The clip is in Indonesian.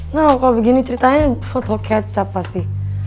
no kalau begini ceritanya foto kecap pasti